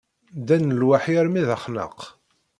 Ddan lwaḥi armi d Axnaq.